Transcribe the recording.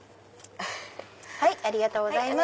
ありがとうございます。